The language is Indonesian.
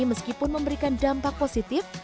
meskipun memberikan dampak positif